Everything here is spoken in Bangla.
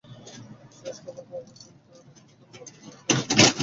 শেষ খবর পাওয়া পর্যন্ত নিহতদের মরদেহ ঘটনাস্থলেই আছে বলে জানা গেছে।